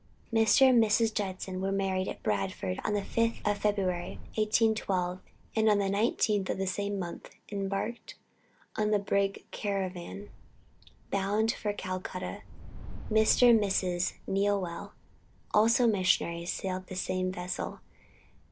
Mr. and Mrs. Judson were married at Bradford on the fifth of February, 1812, and on the nineteenth of the same month embarked on the brig Caravan, bound for Calcutta. Mr. and Mrs. Newell, also missionaries sailed in the same vessel.